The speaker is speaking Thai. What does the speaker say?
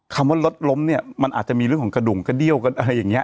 คำว่ารถล้มเนี่ยมันอาจจะมีเรื่องของกระดุงกระเดี้ยวกันอะไรอย่างนี้